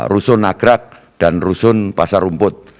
rusun nagrak dan rusun pasar rumput